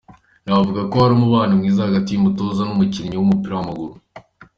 Navuga ko ari umubano mwiza hagati y'umutoza n'umukinnyi w'umupira w'amaguru".